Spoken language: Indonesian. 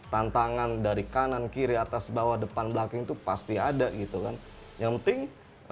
tantangan dari kanan kiri atas bawah depan belakang itu pasti ada gitu kan yang penting